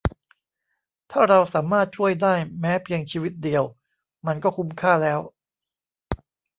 ถ้าเราสามารถช่วยได้แม้เพียงชีวิตเดียว มันก็คุ้มค่าแล้ว